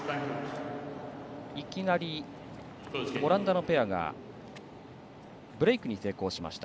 いきなりオランダのペアがブレークに成功しました。